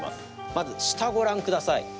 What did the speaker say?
まず下、ご覧ください。